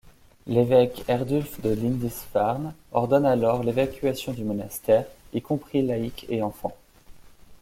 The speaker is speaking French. L'évêque Eardulf de Lindisfarne ordonne alors l'évacuation du monastère, y compris laïcs et enfants.